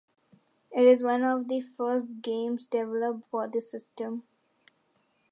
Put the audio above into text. It is one of the first games developed for the system.